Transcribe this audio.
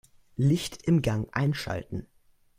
Licht im Gang einschalten.